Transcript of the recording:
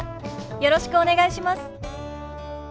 よろしくお願いします。